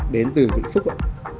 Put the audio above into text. đến từ vĩnh phúc ạ